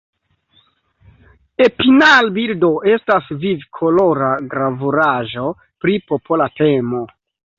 Epinal-bildo estas viv-kolora gravuraĵo pri popola temo.